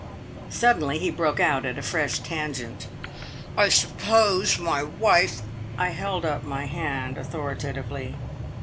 Suddenly he broke out at a fresh tangent. "I suppose my wife " I held up my hand authoritatively.